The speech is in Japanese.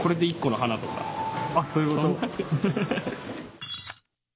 あっそういうこと？